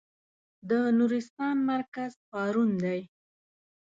د نورستان مرکز پارون دی.